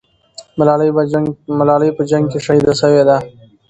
ملالۍ په جنگ کې شهیده سوې ده.